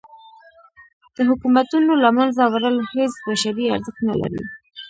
د حکومتونو له منځه وړل هیڅ بشري ارزښت نه لري.